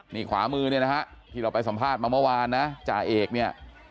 นี่ขวามือเนี่ยนะฮะที่เราไปสัมภาษณ์มาเมื่อวานนะจ่าเอกเนี่ย